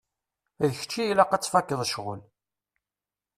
D kečč i ilaq ad tfakkeḍ ccɣel.